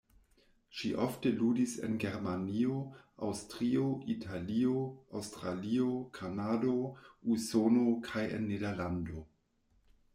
Ŝi ofte ludis en Germanio, Aŭstrio, Italio, Aŭstralio, Kanado, Usono kaj en Nederlando.